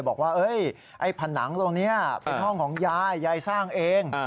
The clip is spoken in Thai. บอกว่าไอ้ผนังตรงนี้เป็นห้องของยายยายสร้างเอง